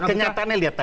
kenyataannya lihat tadi